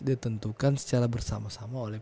ditentukan secara bersama sama oleh